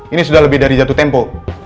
ini sudah lebih dari jatuh tempo